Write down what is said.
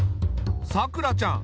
さくらちゃん